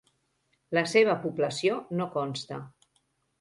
La seva població no consta.